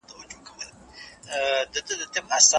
آیا توراغه یو تاریخي ځای دی؟